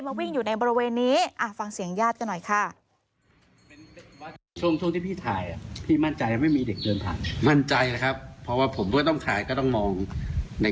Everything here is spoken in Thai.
วิ่งอยู่ในบริเวณนี้ฟังเสียงญาติกันหน่อยค่ะ